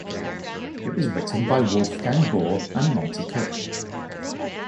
It was written by Wolfgang Baur and Monte Cook.